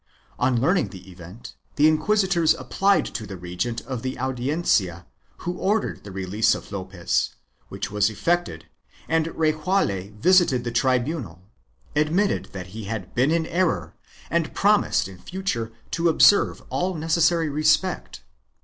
On learning the event the inquisitors applied to the regent of the Audiencia who ordered the release of Lopez, which was effected and Rejaule visited the tribunal, admitted that he had been in error, and promised in future to observe all necessary respect.